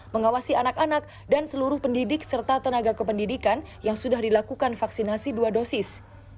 mengawasi anak anak dan seluruh pendidik serta tenaga kependidikan yang sudah dilakukan vaksinasi dua dosis